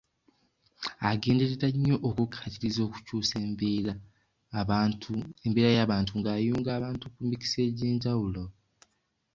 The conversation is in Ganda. Agenderera nnyo okukkaatiriza okukyusa embeerabantu ng'ayunga abantu ku mikisa egy'enjawulo.